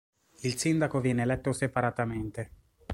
Il Sindaco viene eletto separatamente.